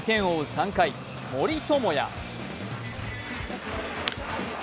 ３回、森友哉。